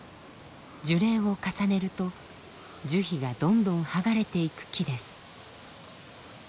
樹齢を重ねると樹皮がどんどんはがれていく木です。